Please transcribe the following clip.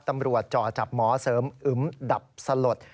ตำรวจจอจับหมอเสริมอึ้มดับสลด